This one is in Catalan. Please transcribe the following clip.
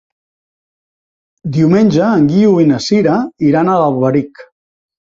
Diumenge en Guiu i na Sira iran a Alberic.